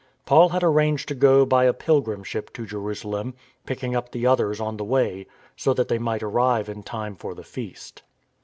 Paul had arranged to go by a pilgrim ship to Jerusalem, picking up the others on the way so that they might arrive in time for the Feast.